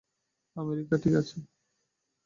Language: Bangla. আমেরিকা ঠিক আছে?